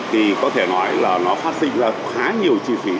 thì có thể nói là nó phát sinh ra khá nhiều chi phí